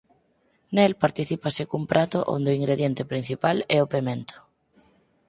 Nel particípase cun prato onde o ingrediente principal é o pemento.